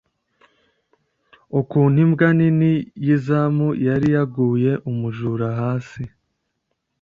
ukuntu imbwa nini yizamu yari yaguye umujura hasi.